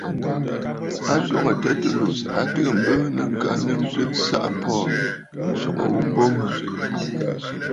A twoŋə̀ Tertullus, a tɨgə̀ ǹlɔgɨnə ŋka nnɨŋtə ɨsaʼa Paul, ǹswoŋə ghu mbo mə.